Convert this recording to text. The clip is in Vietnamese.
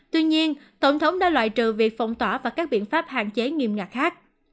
tuy nhiên tổng thống đã loại trừ việc phong tỏa và các biện pháp hạn chế nghiêm ngặt khác